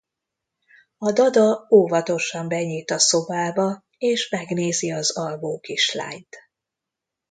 A dada óvatosan benyit a szobába és megnézi az alvó kislányt.